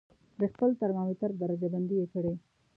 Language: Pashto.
د خپل ترمامتر درجه بندي یې کړئ.